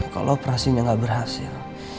kalau operasinya gak berhasil